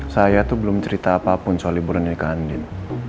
saya tuh belum cerita apapun soal liburan nikah andien